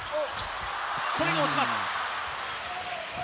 これが落ちます。